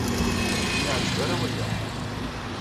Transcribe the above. Ur ten-iɛejjeb ara waya.